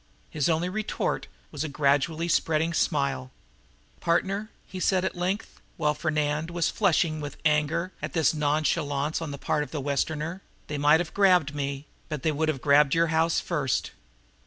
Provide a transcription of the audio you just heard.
His only retort was a gradually spreading smile. "Partner," he said at length, while Fernand was flushing with anger at this nonchalance on the part of the Westerner, "they might of grabbed me, but they would have grabbed your house first."